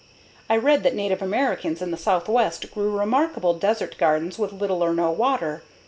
I read that Native Americans in the Southwest grew remarkable desert gardens with little or no water.